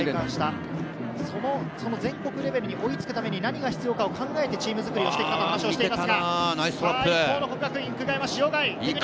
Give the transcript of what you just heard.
全国レベルに追いつくために何が必要かを考えてチーム作りをしてきたと話をしています。